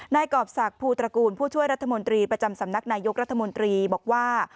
กรอบศักดิ์ภูตระกูลผู้ช่วยรัฐมนตรีประจำสำนักนายกรัฐมนตรีบอกว่า